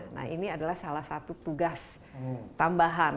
nah ini adalah salah satu tugas tambahan